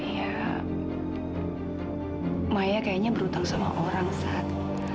ya maya kayaknya berhutang sama orang saat